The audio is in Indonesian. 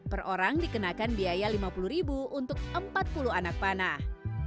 per orang dikenakan biaya rp lima puluh untuk empat puluh anak panah